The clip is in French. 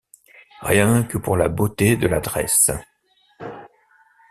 Rien que pour la beauté de l’adresse.